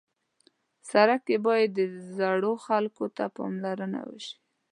سړک کې باید زړو خلکو ته پاملرنه وشي.